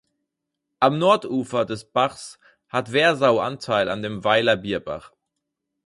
Am Nordufer des Bachs hat Wersau Anteil an dem Weiler Bierbach.